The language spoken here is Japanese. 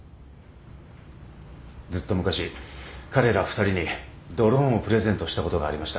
ずっと昔彼ら２人にドローンをプレゼントしたことがありました。